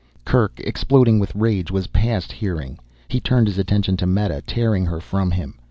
Kerk, exploding with rage, was past hearing. He turned his attention to Meta, tearing her from him.